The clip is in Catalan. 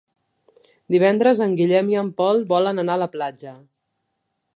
Divendres en Guillem i en Pol volen anar a la platja.